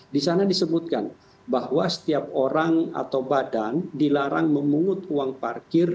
di sana disebutkan bahwa setiap orang atau badan dilarang memungut uang parkir